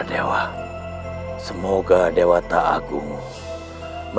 termasuk tempat allah then keeping us safe